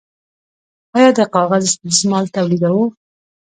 آیا د کاغذ دستمال تولیدوو؟